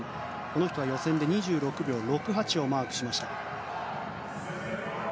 この人は予選で２６秒６８をマークしました。